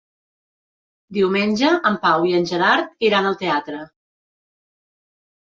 Diumenge en Pau i en Gerard iran al teatre.